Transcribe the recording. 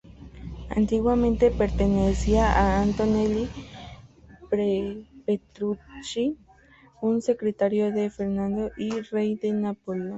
Antiguamente pertenecía a Antonelli Petrucci, un secretario de Fernando I, rey de Nápoles.